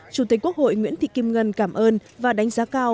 chủ tịch quốc hội nguyễn thị kim ngân cảm ơn và đánh giá cao